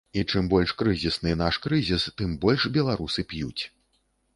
І чым больш крызісны наш крызіс, тым больш беларусы п'юць.